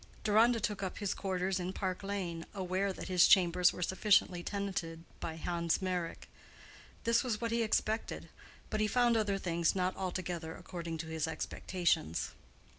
Deronda took up his quarters in Park Lane, aware that his chambers were sufficiently tenanted by Hans Meyrick. This was what he expected; but he found other things not altogether according to his expectations.